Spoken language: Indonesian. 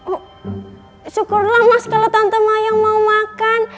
oh syukurlah mas kalau tante mayang mau makan